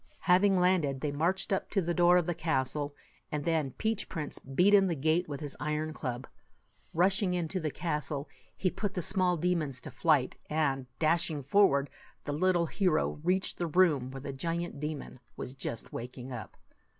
Having landed, they marched up to the door of the castle, and then Peach Prince beat in the gate with his iron club. Rushing into the castle, 77 he put the small demons to flight; and, dashing forward, the little hero reached the room where the giant demon was just waking up.